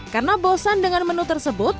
karena bosan dengan menu tersebut